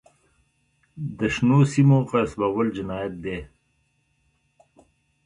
د شنو سیمو غصبول جنایت دی.